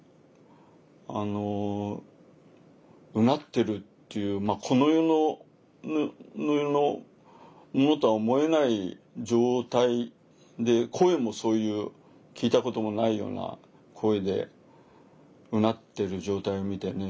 あのうなってるっていうこの世のものとは思えない状態で声もそういう聞いたこともないような声でうなってる状態を見てね